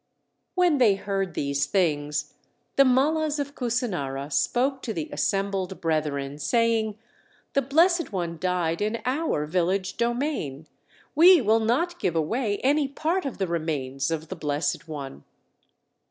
When they heard these things the Mallas of Kusinara spoke to the assembled brethren, saying, "The Blessed One died in our village domain, We will not give away any part of the remains of the Blessed One!"